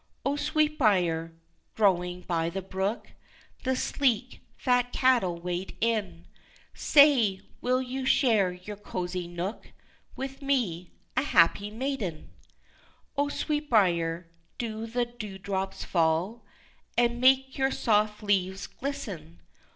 O Sweetbriar, growing by the brook The sleek, fat cattle wade in, Say, will you share your cozy nook With me a happy maiden? O Sweetbriar, do the dew drops fall And make your soft leaves glisten?